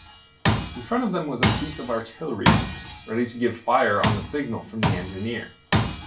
In front of them was a piece of artillery ready to give fire on the signal from the engineer.